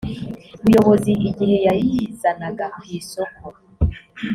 buyobozi igihe yayizanaga ku isoko